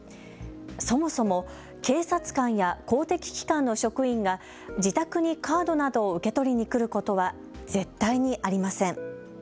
そもそも警察官や公的機関の職員が自宅にカードなどを受け取りに来ることは絶対にありません。